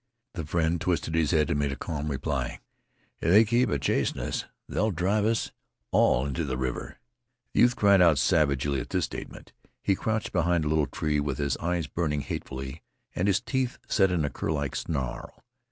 The friend twisted his head and made a calm reply. "If they keep on a chasin' us they'll drive us all inteh th' river." The youth cried out savagely at this statement. He crouched behind a little tree, with his eyes burning hatefully and his teeth set in a curlike snarl.